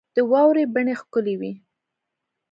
د واورې بڼې ښکلي وې.